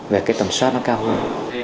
về cái tầm soát nó cao hơn